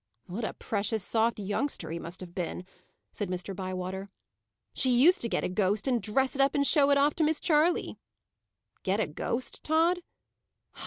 "What a precious soft youngster he must have been!" said Mr. Bywater. "She used to get a ghost and dress it up and show it off to Miss Charley " "Get a ghost, Tod?"